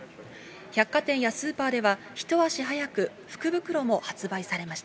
百貨店やスーパーでは一足早く福袋も発売されました。